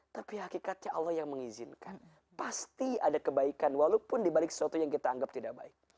tapi hakikatnya allah yang mengizinkan pasti ada kebaikan walaupun dibalik sesuatu yang kita anggap tidak baik